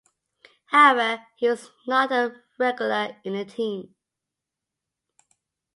However, he was not a regular in the team.